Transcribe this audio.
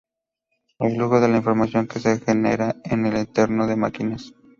El flujo de información que se genera en el entorno de máquinas.